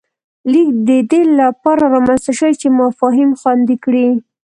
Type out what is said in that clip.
لیک د دې له پاره رامنځته شوی چې مفاهیم خوندي کړي